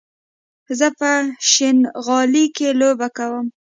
زه په شينغالي کې لوبې کوم